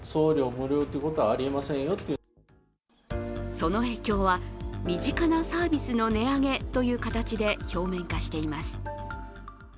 その影響は身近なサービスの値上げという形で表面化しています。